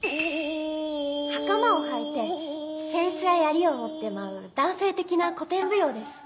袴をはいて扇子や槍を持って舞う男性的な古典舞踊です。